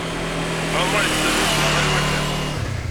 Ɛumaṛ yesserwat beṛṛa i wannar.